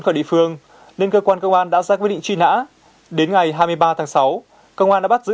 khỏi địa phương nên cơ quan công an đã ra quyết định truy nã đến ngày hai mươi ba tháng sáu công an đã bắt giữ